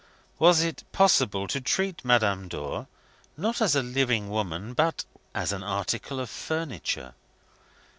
Was it possible to treat Madame Dor, not as a living woman, but as an article of furniture?